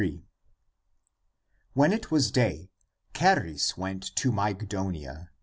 When it was day, Charis went to Mygdo nia.